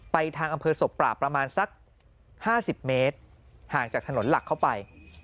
ทางอำเภอศพปราบประมาณสัก๕๐เมตรห่างจากถนนหลักเข้าไป